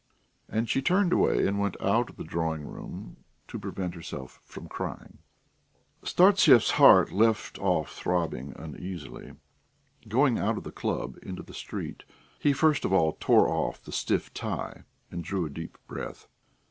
And she turned away and went out of the drawing room to prevent herself from crying. Startsev's heart left off throbbing uneasily. Going out of the club into the street, he first of all tore off the stiff tie and drew a deep breath.